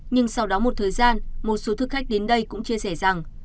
nhưng sau đó một thời gian một số thực khách đến đây cũng chia sẻ rằng